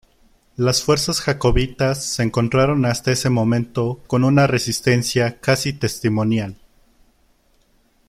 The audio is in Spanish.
Las fuerzas jacobitas se encontraron hasta ese momento con una resistencia casi testimonial.